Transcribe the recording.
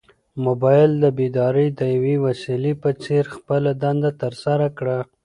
موبایل د بیدارۍ د یوې وسیلې په څېر خپله دنده ترسره کړه.